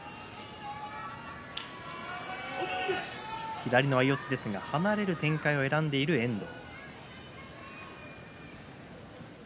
左の相四つですが離れる展開を選んでいる遠藤。